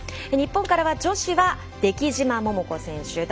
日本からは女子は出来島桃子選手